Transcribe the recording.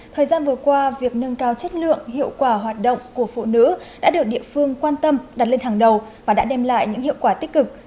thời gian vừa qua việc nâng cao chất lượng hiệu quả hoạt động của phụ nữ đã được địa phương quan tâm đặt lên hàng đầu và đã đem lại những hiệu quả tích cực